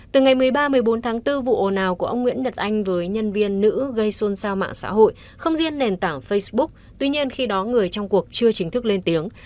từ ngày một mươi ba một mươi bốn tháng bốn vụ ồ nào của ông nguyễn nhật anh với nhân viên nữ gây xôn xao mạng xã hội không riêng nền tảng facebook tuy nhiên khi đó người trong cuộc chưa chính thức lên tiếng